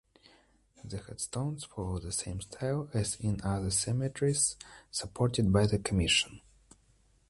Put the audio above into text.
The headstones follow the same style as in other cemeteries supported by the commission.